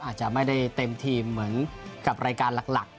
อาจจะไม่ได้เต็มทีมเหมือนกับรายการหลัก